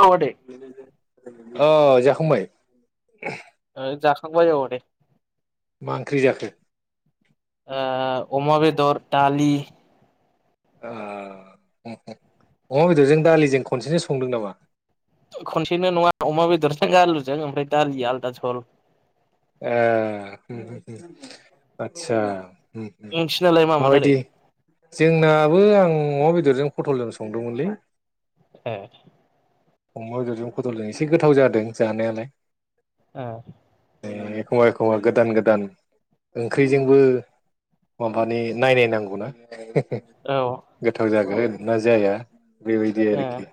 औ आदै [unintelligible] अ जाखांबाय ओ जाखां खांबाय औ नै मा ओंख्रि जाखो ओ अमा बेदर दालि ओ अमा बेदरजों दालिजों खनसेनो संदों नामा खनसेनो नङा अमा बेदरजों आलुजों ओमफ्राय दालिया आलदा जहल ए आतसा नोंसिनालाय मामोन आदै? माबायदि जोंना बो आं अमा बेदरजों फटलजों संदोंमोनलै ए अमा बेदरजों फटलजों एसे गोथाव जादों जानायालाय औ एखमबा एखमबा गोदान गोदान ओंख्रिजोंबो माबानि नायनाय नांगौना औ गोथाव जागोन ना जाया बेबायदि ए आरोखि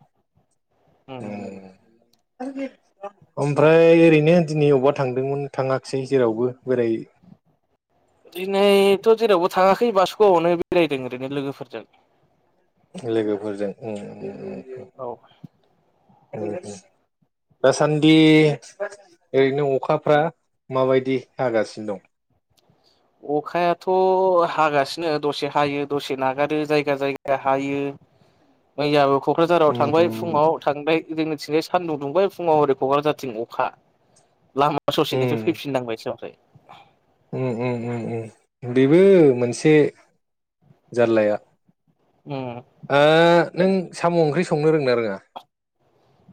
[unintelligible] ओमफ्राय ओरैनो दिनै अबावबा थांदोंमोन थाङाखिसै जेरावबो बोरै दिनै थ' जेरावबो थाङाखै बासुगावआवनो बेरायदों ओरैनो लोगोफोरजों लोगोफोरजों औ दासान्दि ओरैनो अखाफ्रा माबायदि हागासिनो दं अखायाथ' हागासिनो दसे हायो दसे नागारो जायगा जायगा हायो मैयाबो क'क्राझाराव उम थांबाय फुङाव थांबाय जोंनिथिंजाय सानदुं दुंबाय फुङाव हरै क'क्राझारथिं अखा लामा ससेनिफ्राय उम फैफिनांबाय सो ओमफ्राय उम उम उम बेबो मोनसे जारलाया उम। ओ नों साम' ओंख्रि संनो रोंना रोङा?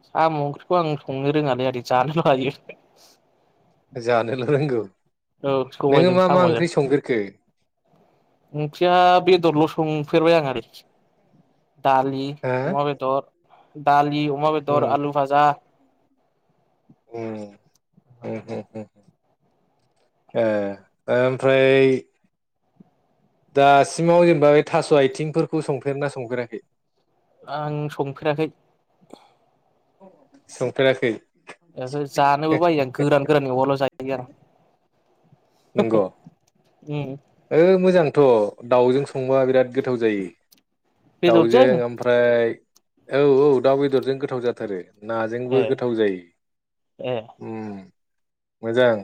साम'ओंख्रिखौ आं संनो रोङालै आदै जानोल' लायो जानोल' रोंगौ। औ नोङो सबाइजों मा मा साम'जों ओंख्रि संफेरखो ओंख्रिया बेदरल' संफेरबाय आङो। [inaudible] दालि हो अमा बेदर। दालि अमा बेदर, उम आलु फाजा, उम ओ- ओमफ्राय दासिमाव जेनेबा बे थास' आइथिंफोरखौ संफेरना संफेराखै? आं संफेराखै। संफेराखै? ओहो जानोबो बायो आं गोरान गोराननि एवाब्ला जा या नंगौ उम ओ मोजांथ' दाउजों संबा बिराद गोथाव जायो दाउजों बेदरजों ओमफ्राय औ औ दाउ बेदरजों गोथाव जाथारो। नाजोंबो ए गोथाव जायो ए उम। मोजां।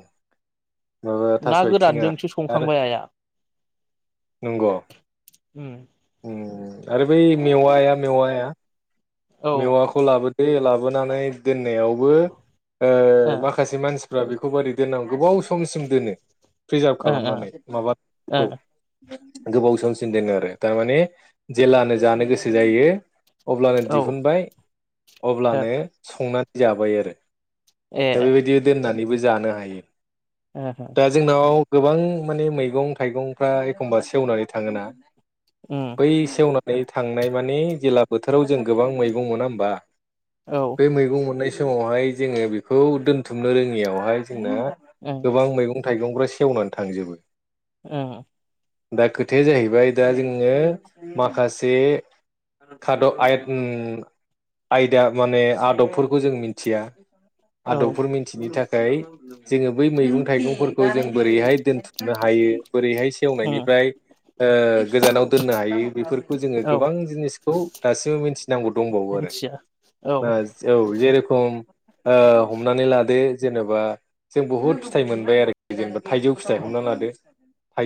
ओ ना थास'आइथिङा गोरानजोंसो आरो संखांबाय आइया नंग' उम उम आरो बै मेवाया मेवाया औ ओ मेवाखौ लाबो दो लाबोनानै दोन नायावबो ओ माखासे मान फ्रा बेखौ बारै दोननांगौ गोबाव समसिम दोनो। प्रिजार्भ ओ ओ खालामनानै माबाखौ गोबाव समसिम दोनो आरो थारमाने जेलानो जानो गोसो जायो अब्ला औ ओ दिहुनबाय अब्लानो संना नै जाबाय आरो। ए दा बेबायदि दोननानैबो जा जानो हायो। ओहो दा जोंनाव गोबां माने मैगं थाइगंफ्रा एखमबा सेवनानै थाङोना उम बै सेवना थांनाय माने जेला बोथोराव जों गोबां मैगं मोना होमबा औ ओं बे मैगं मोननाय सम समावहाय जोङो बेखौ दोनथुमनो रोङियावहाय जोंना गोबां मैगं थाइगंफ्रा सेवनानै थांजोबो उम उम। दा खोथाया जाहैबाय दा जोङो माखासे खाद' आयत आयदा माने आदबफोरखौ जों मिथिया औ आदबफोर मिथिनो थाखाय जोङो बै मैगं थाइगं फोर जों बोरैहाय दोनथुमनो हायो बोरैहाय उम सेवनायनिफ्राय गोजानाव दोननो हायो बेफोरखौ जोङो औ गोबां जिनिखौ दासिमबो मिथि गौ दंबावो आरो मिथिया औ [inaudible] ओम हमनानै लादो जेनेबा जों बहुत फिथाइ मोनबाय आरोखि जेनेबा थाइजौ फिथाइ हमना लादो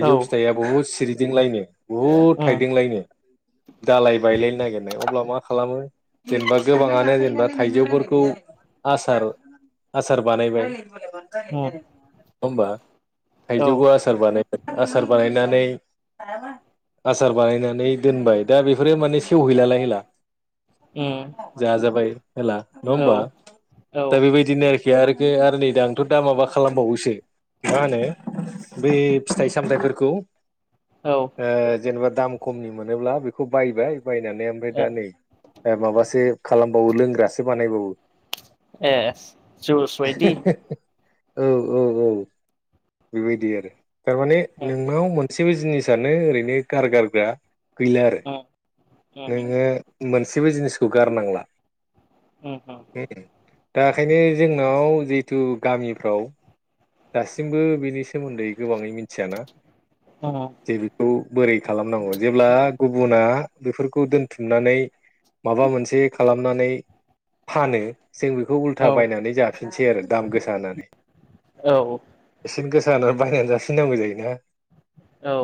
औ फिथाइया बहुद सिरि दिंलायनो बहुद उम थाइदोंलायनो दालाय बायलायनो नागिरनाय अब्ला मा खालामो जेनेबा गोबाङानो जेनेबा थाइजौफोरखौ आसार आसार बानायबाय उम [unintelligible] होमबा औ थाइजौ आसार बानाय आसार बानायनानै आसार बानायनानै दोनबाय दा बेफोरो माने [inaudible] जा उम जाबाय हला नङ औ होमबा औ दा बे बैदिनि आरोखि आरोखो आरो नै दा आंथ' दा माबा खालामबावोसो मा होनो बै फिथाइ सामथायाइफोरखौ औ ओ जेनेबा दाम खमनि मोनोब्ला बेखौ बायबाय बायनानै ओमफ्राय दा नै माबासो खालामबावो लोंग्रासो बानायबावो। ए जुइस बायदि? औ औ औ बेबायदि आरो थारमाने उम नोंनाव मोन गासिबो जिनिसानो ओरैनो गारगारग्रा गैला आरो उम उम नोङो मोनसेबो जिनिसखौ गारनांला उम उम दा ओखायनो जोंनाव जि जिथु गामिफ्राव दासिमबो बेनि सोमोन्दै गोबाङै मिथियाना? औ जे बेखौ बोरै खालामनांगौ जेब्ला गुबुना बेफोरखौ दोनथुमनानै माबा मोनसे खालामनानै फानो जों बेखौ औ उल्था बायनानै जाफिनसै आरो दाम गोसा होनानानै औ बेसेन गोसा जाना बायनानै जाफिन नांगौ जायोना। औ।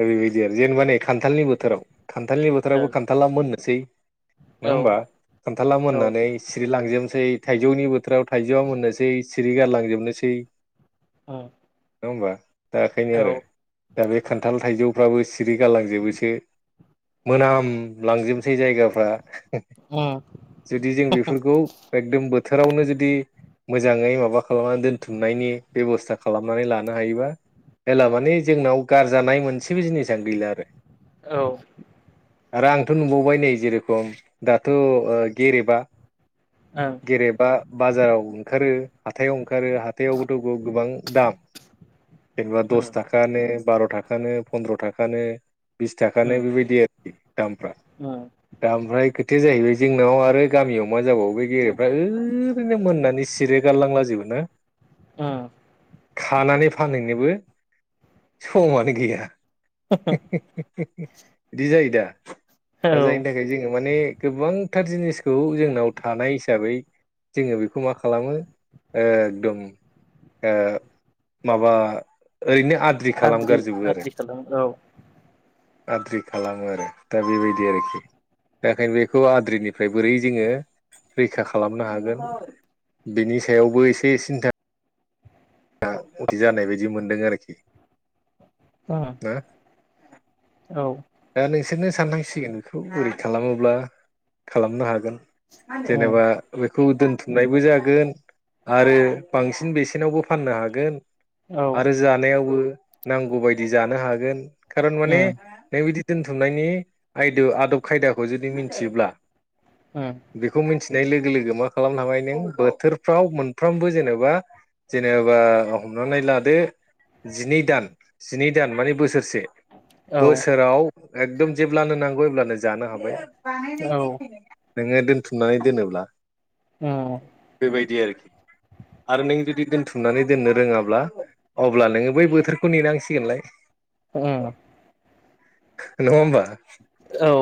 बेबायदि आरो जेनेबा नै खान्थालनि बोथोराव खान्थालनि उम औ बोथाबो खान्थाला मोनो सै नङा उम होमबा? खान्थाला औ मोननानै सिरिलांजोब सै थाइजौनि बोथोराव थाइजौआ मोननोसै सिरि गारलांजोबनोसै। औ। नङा होमबा? दा बेखायनो आरो दा बे खान्थाल थाइजौ फ्राबो सिरि गारलांजोबोसो मोनाम लां गासै जायगाफ्रा जुदि जों बेफोरखौ एकदम बोथोर बोथोरावनो जुदि मोजाङै माबा खालामनानै दोनथुमनायनि बेबस्था खालामनानै लानो हायोबा जेब्ला मानि जोंनाव गारजानाय मोनसेबो जिनिसानो गैला आरो। औ। आरो आंथ नुबावो बाय नै जेरेखम दाथ गेरेबा उम गेरेबा बाजाराव ओंखारो हाथायाव ओंखारो हाथायावबोथ गोबां दाम जेनेबा उम दस थाखा नो बार थाखानो फन्द्र थाखानो बिस थाखानो उम बेबायदि आरोखि दामफ्रा। दा ओमफ्राय खोथाया जाहैबाय जोंनाव आरो गामियाव मा जाबावो [unintelligible] ओरैनो मोननानै सिरि गारलांला जोबो ना उम। खानानै फानहैनोबो समानो गैया। [unintelligible] बिदि जायो दा। औ दा जायनि थाखाय जोङो माने गोबांथार जिनिसखौ जोंनाव थानाय हिसाबै जोङो बेखौ मा खालामो एगदम ओ माबा ओरैनो आद्रि खालामगारजोबो आरो आद्रि खालामो औ आद्रि खालामो आरो दा बेबायदि बेआरोखि दाखाय बेखौ आद्रिनिफ्राय बोरै जोङो रैखा खालामनो हागोन बिनि सायावबो एसे सिन्था दा उथि जानाय बायदि मोनदों आरोखि अह ना औ दा नोंसोरनो सानांसिगोन बेखौ बोरै खालामोब्ला खालामनो हागोन उम जेनेबा खौ दोनथुमनायबो जागोन आरो बांसिन बेसेनावबो फाननो हागोन औ उम औ आरो जानायावबो नांगौबायायदि जानो हागोन खारन उम माने बिदि दोनथुमनायनि आयदो आदब खायदाखौ जुदि मिथियोब्ला उम औ बेखौ मोनथि नै लोगो लोगो मा खालाम हाबायनो बोथोरफ्राव मोनफ्रामबो जेनेबा जेनेबा हमनानै लादो जिनै दान जिनै दान माने बोसोर से उम बोसोर औ एकदम जेब्लानो नांगौ अब्लानो जानो हाबाय [unintelligible] नोङो दोनथुमनानै दोनोब्ला उम बेबायदि आरोखि आरो नों जुदि दोनथुमनानै दोननो रोङाब्ला अब्ला नोङो बै बोथोरखौ नेनांसिगोनलाय उम नङा होनबा औ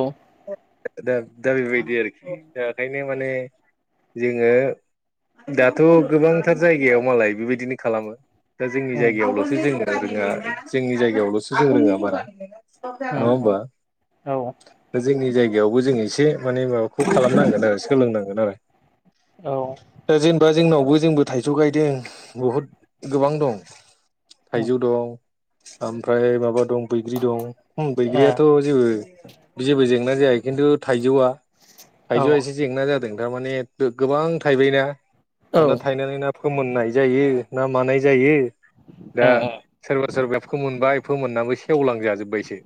[unintelligible] दा बेबायदि आरोखि दा ओंखायनो माने जोङो दाथ' गोबांथार जायगायाव मालाय बेबायदिनो खालामो दा जोंनि जायगायावल'सो जों जोंहा जोंनि जायगायावल'सो जों रोङा बारा नहा होमबा औ जोंनि जायगायाव गायावबो जोङ एसे माने माबाखौ खालामनांगोन आरो सोलोंनांगोन औ आरो जेनबा जोंनावबो जोंबो थाइजौ गायदों बहुद गोबां दं [inaudible] उम थाइजौ दं ओमफ्राय माबा दं बैग्रि दं ए बैग्रियाथ' जेबो जेबो जाय जेंना जाय खिन्थु थाइजौआ थाइजौआ औ एसे जेंना जादों थारमाने गोबां थाइबाय ना दाना थायनानै ना फोमोननाय जायो ना मानाय जायो दा ए सोरबा सोरबाया फोमोनबाय फोमोनाबो सेवलांजाजोब्बाय ए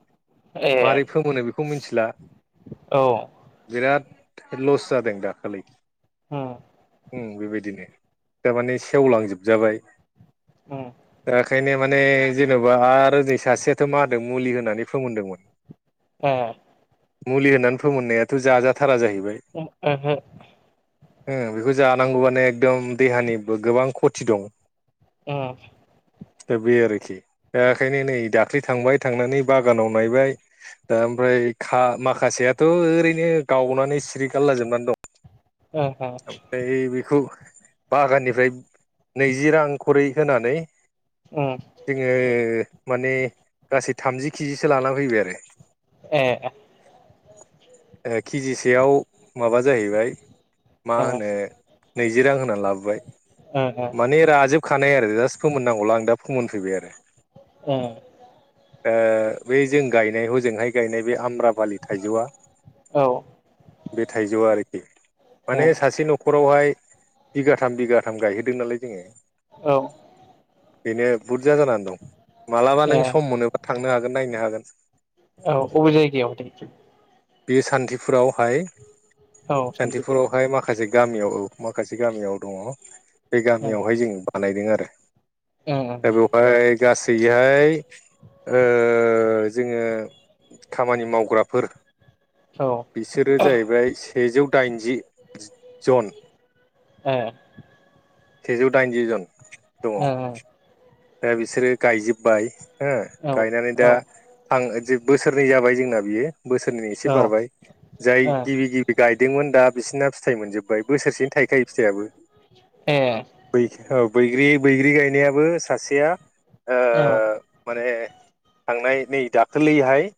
ए मारै फोमोनो बेखौ मिथिला औ बिराद लस जादों दाखालि उम उम बेबायदिनो थारमाने सेवलांजोबजाबाय उम राखायनो माने जेन'बा आरो ओनै सासेयाथ' मा होदों मुलि होनानै नि फोमोनदोंमोन ए मुलि होननानै फोमोननायाथ' जाजाथारा जाहैबाय ओहो बेखौ जानांगौबानो एकदम देहानिबो गोबां खथि दं उम दा बे आरोखि दा बेखायनो नै दाख्ललि थांबाय थांनानै बागानाव नायबाय दा ओमफ्राय खा माखासेयाथ' ओरैनो गावनानै सिरि गारलाजोबनानै दं। ओहो आमफाय बेखौ बागाननिफ्राय नैजि रां खरि होनानै उम जोङो माने गासै थामजि केजिसो लाना फैबाय आरो। ए ओ केजिसेयाव माबा जाहैबाय [inaudible] मा होनो नैजि रां होनानै लाबोबाय माने राजोबखा नाय आरो जास फोमोन नांगौला आं दा फोमोन फैबाय आरो। ओ बे जों गायनायखौ जोंहाय गायनाय बे आम्राबालि थाइजौआ ओ बे थाइजौआ आरोखि। ओहो माने सासे न'खराव बेहाय बिगाथाम बिगाथाम गायहोदों नालाय जोङो। औ बेनो बहुत बुज्जा जाना दं मालाबा नों ए सम मोनोबा थांनो हागोन। गोन नायनो हागोन। औ अबे जायगायाव [unintelligible] बे सान्थिफुरावहाय औ सान्थि फुरावहाय माखासे गामियाव औ माखासे गामियाव दङ। बे गामियावहाय जों बानायदों आरो। ओ [inaudible] दा बेवहाय गासैहाय ओ ओ जोङो खामानि मावग्राफोर ओ बिसोरो जाहैबाय सेजौ दाइनजि। जन। ए। सेजौ दाइनजि जन। दङ ओ ओ। दा बिसोरो गायजोबबाय। हो गायनानै दा औ थां जेबो बोसोरनै जाबाय जोंना बियो। बोसोरनै एसे ओ बारबाय जाय गिबि गिबि गाइद दोंमोन दा बिसिना फिथाइ मोनजोब बाय बोसोरसेनो थायखायो फिथाइयाबो ए [unintelligible] बैग्रि बैग्रि गायनायाबो सासेया ओ औ माने थांनाय नै दाखोलैहाय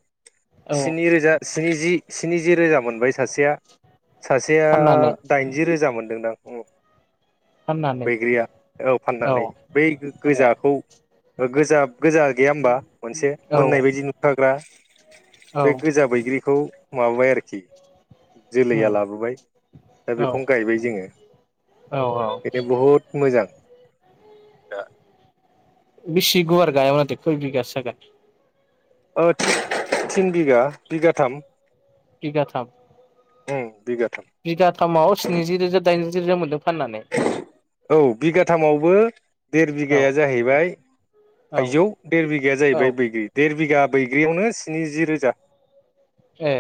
औ स्नि रोजास स्निजि स्निजि रोजा मोनबाय सासेया सासेया फाननानै दाइनजि रोजा मोन दोंदां उम फाननानै बैग्रिया औ फाननानै बै गोग ए गोजाखौ गोजा गोजा गैया होमबा मोनसे औ मोननाय बायदि नुखाग्रा औ बे गोजा बैग्रिखौ माबाबाय आरो जि जोलैया उम लाबोबाय दा औ बेखौनो गायबाय जोङो औ बेनो बहुद मोजां दा बेसि गुवार गाया खै बिगासो जागोन ओ थिन बिगा बिगाथाम बिगाथाम ओम बिगा बिगाथामाव स्निजि रोजा दाइन जि रोजा मोन्दों फाननानै औ बिगाथामावबो देर औ बिघाया जाहैबाय औ थाइजौ देर बिघाया औ जाहैबाय बैग्रि देर बिघा बैग्रियावनो स्निजि रोजा ए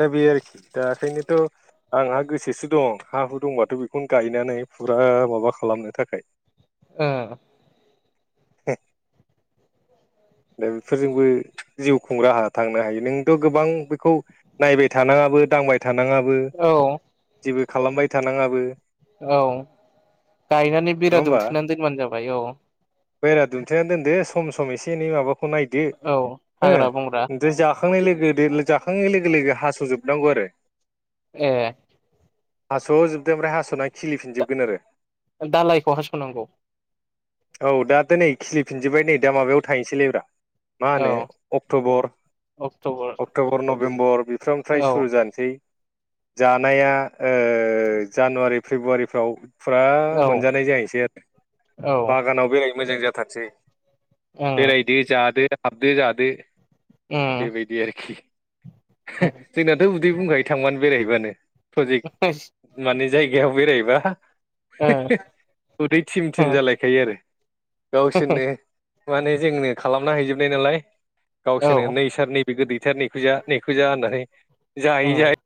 दा बेयो आरोखि दा ओंखायनोथ' आंहा गोसोसो दं हा हु दंबाथ' बेखौनो गायनानै फुरा माबा खालामनो थाखाय ओ बेफोरजोंबो जिउ खुं राहा थांनो हायो नोंथ' गोबां बेखौ नायबाय थानाङाबो दांबाय थानाङाबो औ जेबो खालामबाय थानाङाबो औ गायनानै बेरा दुमथेनानै दोनबानो जाबाय औ बायरा दुमथेना दोनदो सम एसे एनै माबा खौ नायदो औ ओ हाग्रा बंग्रा ओमथाय जाखांनाय लोगो जाखांनाय लोगो लोगो हास'जोबनांगौ आरो ए हास' जोबदों ओफ्राय हास' नाय दालायखौ हास'नांगौ औ दाथ' नै खिलिफिनजोब्बाय नै दा माबायाव थायनोसैलैब्रा मा औ होनो अक्ट'बर अक्टबर नभेम्बर सुफ्रनि फ्राय औ सुरु जानोसै जानाया जानुवारि फेब्रुवारिफ्राव फुरा औ मोनजानाय जाहैसै आरो ओं बागानाव बेरायनो मोजां जा थादसै ओम बेरायदो जादो हाबदो जादो ओम बेबायदि आरोखि। जोंनाथ' उदै बुंखायो थांबानो बेरायहैबानो। प्रजेक्ट माने जायगायाव बेरायहैबा उदै थिम ओ थिम जालायखायो आरो गावसोरनो माने जोंनो खालामना हैजोबनाय नालाय। ओ गावसोरनो औ नैसार नैबे गोदै सार नै इखौ जा नै इखौ जा होननानै जायै ओम जायै